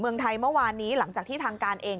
เมืองไทยเมื่อวานนี้หลังจากที่ทางการเอง